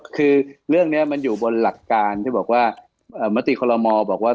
คือเรื่องเนี่ยมันอยู่บนหลักการมะติคลมาบอกว่า